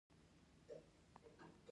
د درد دوايانې پۀ دې کښې هېڅ فائده نۀ کوي